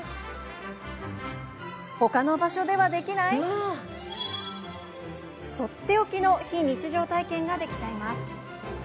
他の場所ではできないとっておきの非日常体験ができちゃいます。